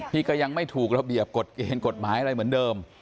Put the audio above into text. ที่ก็ยังไม่ถูกระเบียบกฎเกณฑ์กฎหมายอะไรเหมือนเดิม